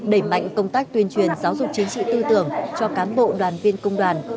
đẩy mạnh công tác tuyên truyền giáo dục chính trị tư tưởng cho cán bộ đoàn viên công đoàn